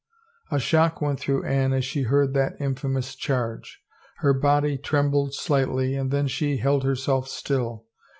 A shock went through Anne as she heard that in famous charge ; her body trembled slightly and then she held herself still.